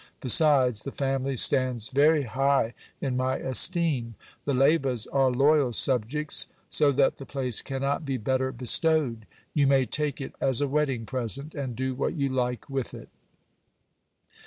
Besides, the family stands very high in my esteem. The Leyvas are loyal subjects; so that the place cannot be better bestowed. You may take it as a wedding present, and do what you like with it.